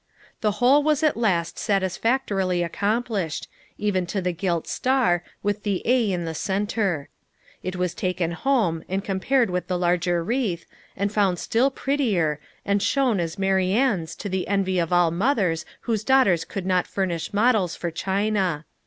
The whole was at last satisfactorily accomplished, even to the gilt star, with the A in the center. It was taken home and compared with the larger wreath, and found still prettier, and shone as Marianne's to the envy of all mothers whose daughters could not furnish models for china.